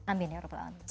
amin ya rupal allah